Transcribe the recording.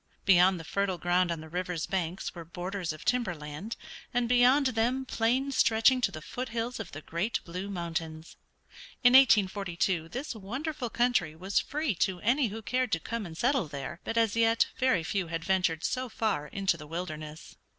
Beyond the fertile ground on the river's banks were borders of timber land, and beyond them plains stretching to the foot hills of the great Blue Mountains. In 1842 this wonderful country was free to any who cared to come and settle there, but as yet very few had ventured so far into the wilderness.